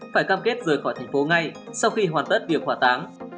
phải cam kết rời khỏi thành phố ngay sau khi hoàn tất việc hỏa táng